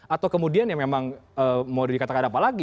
atau kemudian ya memang mau dikatakan apa lagi